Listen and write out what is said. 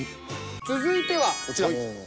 続いてはこちら。